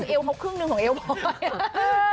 เอวครับขึ้นหนึ่งของเอวปลอย